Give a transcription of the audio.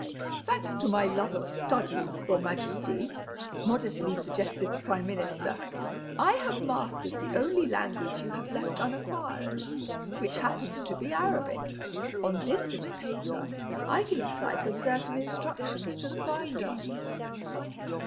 "Thanks to my love of study, your Majesty," modestly suggested the prime minister, "I have mastered the only language you have left unacquired, which happens to be Arabic. On this bit of paper, I can decipher certain instructions to the finder."